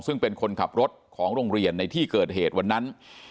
ซึ่งเป็นคนขับรถของโรงเรียนในที่เกิดเหตุวันนั้น